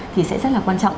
thì sẽ rất là quan trọng